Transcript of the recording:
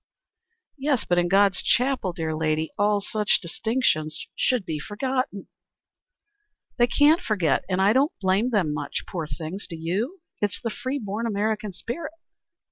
"Yes, but in God's chapel, dear lady, all such distinctions should be forgotten." "They can't forget, and I don't blame them much, poor things, do you? It's the free born American spirit.